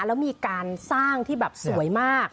แล้วมีการสร้างที่แบบสวยมาก